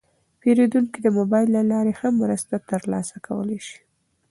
پیرودونکي د موبایل له لارې هم مرسته ترلاسه کولی شي.